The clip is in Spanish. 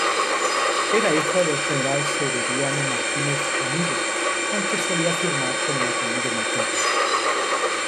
Era hijo del general Severiano Martínez Anido, aunque solía firmar con el apellido materno.